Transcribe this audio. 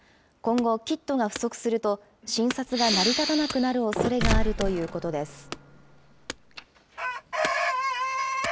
今後、キットが不足すると、診察が成り立たなくなるおそれがあるということです。